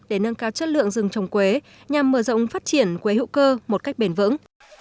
để nâng cao chất lượng rừng trồng quế nhằm mở rộng phát triển quế hữu cơ một cách bền vững